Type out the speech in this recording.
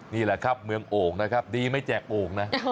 นี่แหละครับเมืองโอ่งนะครับดีไม่แจกโอ่งนะ